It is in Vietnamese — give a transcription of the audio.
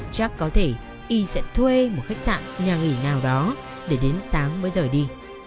chắc có thể y sẽ thuê một khách sạn nhà nghỉ nào đó để đến sáng mới rời đi